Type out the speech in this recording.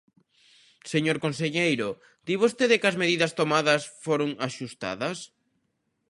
Señor conselleiro, di vostede que as medidas tomadas foron axustadas.